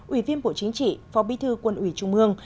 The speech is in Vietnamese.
ủy viên bộ chính trị phó bí thư quân ủy trung ương